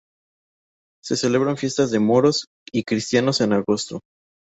Se celebran fiestas de Moros y cristianos en agosto.